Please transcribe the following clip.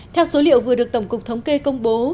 theo số liệu vừa được tổng cục thống kê công bố